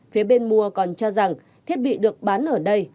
phía bên mua còn cho rằng thiết bị được bán ở đây